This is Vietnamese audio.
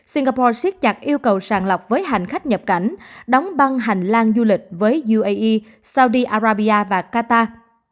singapore siết chặt yêu cầu sàng lọc với hành khách nhập cảnh đóng băng hành lang du lịch với uae saudi arabia và qatar